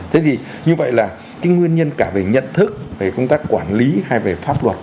thế thì như vậy là cái nguyên nhân cả về nhận thức về công tác quản lý hay về pháp luật